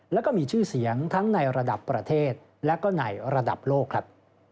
แล้วก็มีชื่อเสียงทั้งในระดับประเทศและก็ในระดับโลกครับ